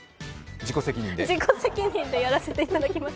自己責任でやらせていただきます。